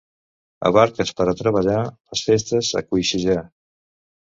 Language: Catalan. Avarques per a treballar, les festes a coixejar.